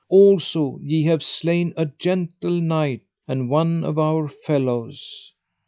Also ye have slain a gentle knight, and one of our fellows.